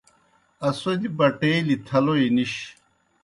اسودیْ بَٹَیلِیْ تھلوئی نِش۔